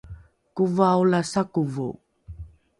kovao la sakovo